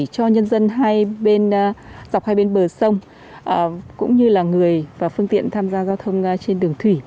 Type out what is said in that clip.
cho nhân dân hai bên dọc hai bên bờ sông cũng như là người và phương tiện tham gia giao thông trên đường thủy